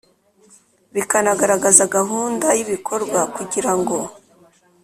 Bikanagaragaza gahunda y ibikorwa kugira ngo